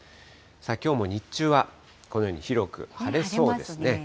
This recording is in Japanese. きょうも日中は、このように広く晴れそうですね。